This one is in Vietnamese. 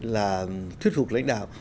là thuyết phục lãnh đạo